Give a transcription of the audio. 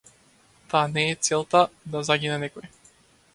Та не е целта да загине некој!